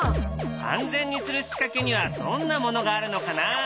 安全にする仕掛けにはどんなものがあるのかな。